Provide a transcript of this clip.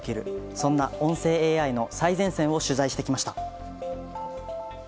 そんな音声ＡＩの最前線を取材してきました。